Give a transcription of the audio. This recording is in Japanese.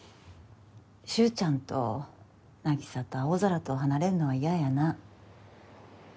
脩ちゃんとなぎさと青空と離れるのは嫌やな